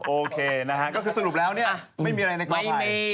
โอเคนะฮะก็คือสรุปแล้วเนี่ยไม่มีอะไรในกอภัย